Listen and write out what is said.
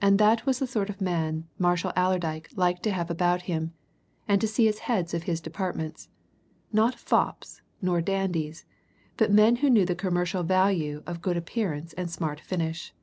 And that was the sort of man Marshall Allerdyke liked to have about him, and to see as heads of his departments not fops, nor dandies, but men who knew the commercial value of good appearance and smart finish.